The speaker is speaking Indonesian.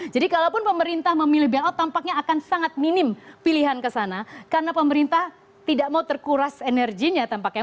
jadi kalaupun pemerintah memilih berubah tampaknya akan sangat minim pilihan ke sana karena pemerintah tidak mau terkuras energinya tampaknya